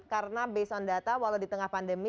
karena based on data walaupun di tengah pandemi